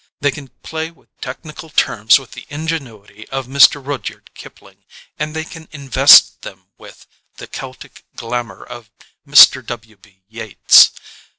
They can play with technical terms with the ingenuity of Mr. Rudyard Kipling and they can invest them with the Celtic glamour of Mr. W. B. Yeats.